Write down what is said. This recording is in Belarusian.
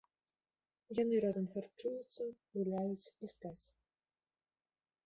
Яны разам харчуюцца, гуляюць і спяць.